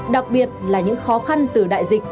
đặc biệt là những khó khăn từ đại dịch